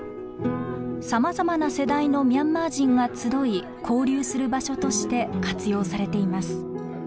さまざまな世代のミャンマー人が集い交流する場所として活用されています。